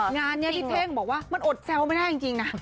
งานนี้พี่เท่งบอกว่ามันอดแซวไม่ได้จริงนะ